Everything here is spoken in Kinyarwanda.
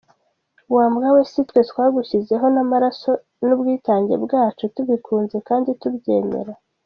Wa mbwa we, si twe twagushyizeho n’amaraso n’ubwitange bwacu, tubikunze kdi tubyemera?